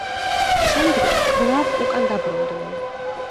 შემდგომ კვლავ უკან დაბრუნდნენ.